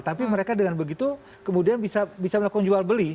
tapi mereka dengan begitu kemudian bisa melakukan jual beli